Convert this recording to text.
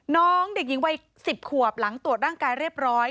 น้องเด็กหญิงวัย๑๐ขวบหลังตรวจร่างกายเรียบร้อย